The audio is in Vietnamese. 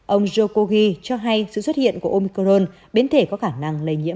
ông jokogi cho hay sự xuất hiện của omcron biến thể có khả năng lây nhiễm